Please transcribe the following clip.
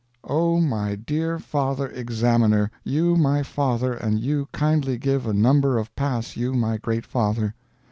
Oh my dear father examiner you my father and you kindly give a number of pass you my great father.